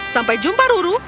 sampai jumpa ruru